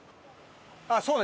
ああそうね！